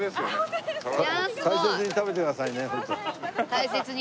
大切に。